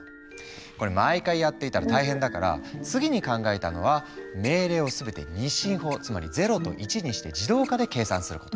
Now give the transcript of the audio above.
これ毎回やっていたら大変だから次に考えたのは命令を全て２進法つまり０と１にして自動化で計算すること。